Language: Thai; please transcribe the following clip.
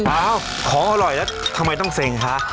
อ้าวของอร่อยแล้วทำไมต้องเซ็งคะ